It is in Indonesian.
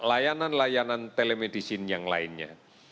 dan layanan layanan telemedicine yang lainnya